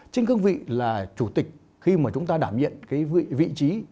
trên cương vị là chủ tịch khi mà chúng ta đảm nhiệm cái vị trí